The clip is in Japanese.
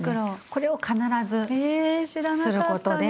これを必ずすることで。